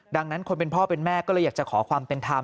ดังนั้นคนเป็นพ่อเป็นแม่ก็เลยอยากจะขอความเป็นธรรม